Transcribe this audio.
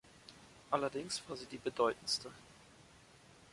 Allerdings war sie die bedeutendste.